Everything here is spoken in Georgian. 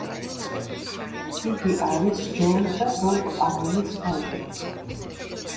იგი არის ჯო და ბობ ამელის ვაჟი.